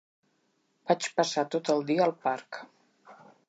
Vaig passar tot el dia al parc.